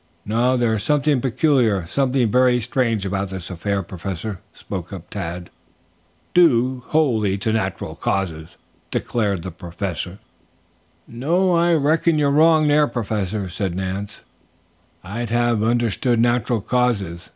"No; there is something peculiar, something very strange about this affair, Professor," spoke up Tad. "Due wholly to natural causes," declared the Professor. "No, I reckon you're wrong there, Professor," said Nance. "I'd have understood natural causes.